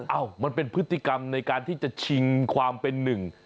เอ้ามันเป็นพฤติกรรมในการที่จะชิงความเป็นหนึ่ง